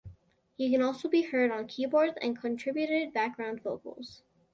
He can also be heard on keyboards and contributed background vocals.